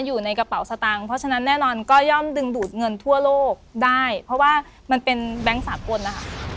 อยู่ในกระเป๋าสตางค์เพราะฉะนั้นแน่นอนก็ย่อมดึงดูดเงินทั่วโลกได้เพราะว่ามันเป็นแบงค์สากลนะคะ